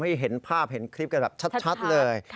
ให้เห็นภาพเห็นคลิปกันแบบชัดเลย